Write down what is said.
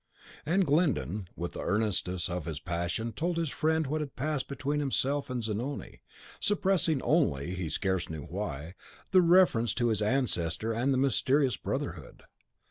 And Glyndon, in the earnestness of his passion, told his friend what had passed between himself and Zanoni, suppressing only, he scarce knew why, the reference to his ancestor and the mysterious brotherhood.